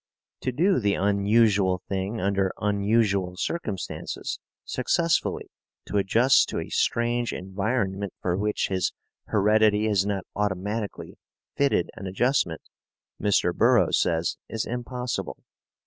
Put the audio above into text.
To do the unusual thing under unusual circumstances, successfully to adjust to a strange environment for which his heredity has not automatically fitted an adjustment, Mr. Burroughs says is impossible.